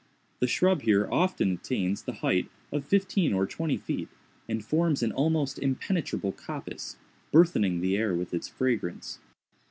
The shrub here often attains the height of fifteen or twenty feet, and forms an almost impenetrable coppice, burthening the air with its fragrance.